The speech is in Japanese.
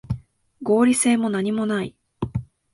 合理性もなにもない